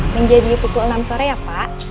menjadi pukul enam sore ya pak